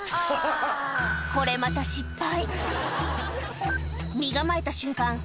これまた身構えた瞬間